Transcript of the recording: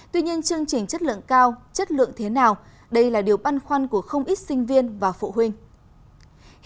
tuy nhiên chương trình chất lượng cao chất lượng thế nào đây là điều băn khoăn của không ít sinh viên và phụ huynh